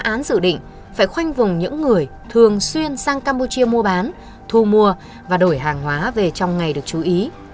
hành trình phá án dự định phải khoanh vùng những người thường xuyên sang campuchia mua bán thu mua và đổi hàng hóa về trong ngày được chú ý